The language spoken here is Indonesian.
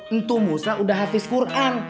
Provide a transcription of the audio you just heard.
untuk musa udah hafiz quran